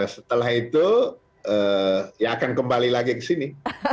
setelah itu ya akan kembali lagi ke sini